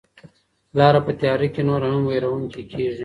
لاره په تیاره کې نوره هم وېروونکې کیږي.